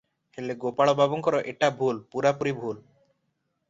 ହେଲେ ଗୋପାଳବାବୁଙ୍କର ଏଟା ଭୁଲ, ପୁରାପୁରି ଭୁଲ ।